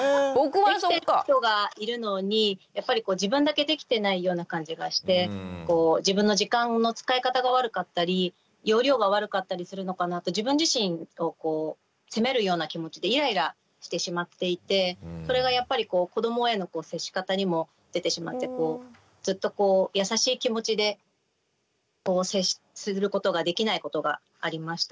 できてる人がいるのにやっぱり自分だけできてないような感じがして自分の時間の使い方が悪かったり要領が悪かったりするのかなって自分自身を責めるような気持ちでイライラしてしまっていてそれがやっぱりこう子どもへの接し方にも出てしまってずっと優しい気持ちで接することができないことがありました。